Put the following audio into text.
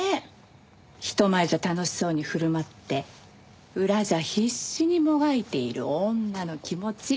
人前じゃ楽しそうに振る舞って裏じゃ必死にもがいている女の気持ち。